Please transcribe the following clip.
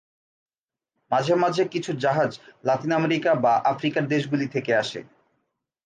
মাঝে মাঝে কিছু জাহাজ লাতিন আমেরিকা বা আফ্রিকার দেশগুলি থেকে আসে।